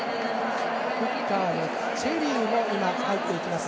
フッカーのチェリーも入っていきます。